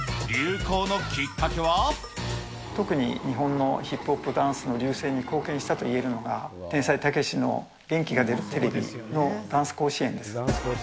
特に、日本のヒップホップダンスの隆盛に貢献したといえるのが、天才・たけしの元気が出るテレビ！のダンス甲子園です。